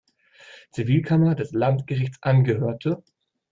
Zivilkammer des Landgerichtes angehörte.